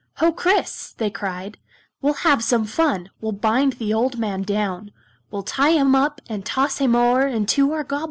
"Ho! Kris!" they cried, "We'll have some fun, We'll bind the old man down, We'll tie him up, and toss him o'er Into our Goblin town."